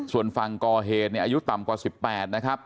ส่วนฝั่งก่อเหตุเนี่ยอายุต่ำกว่า๑๘นะครับ